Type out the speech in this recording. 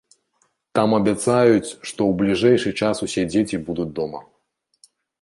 Там абяцаюць, што ў бліжэйшы час усе дзеці будуць дома.